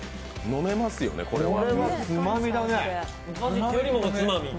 飲めますよね、これは。